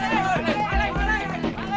jangan mau gue kantor polisi aja